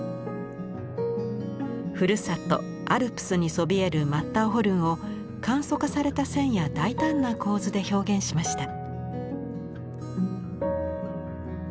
ふるさとアルプスにそびえるマッターホルンを簡素化された線や大胆な構図で表現しました。